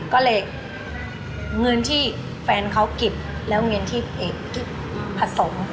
ก็เลยเงินที่แฟนเขาเก็บแล้วเงินที่ผสม